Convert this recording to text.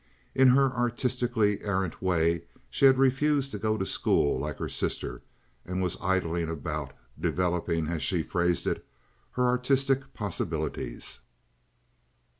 In her artistically errant way she had refused to go to school like her sister, and was idling about, developing, as she phrased it, her artistic possibilities.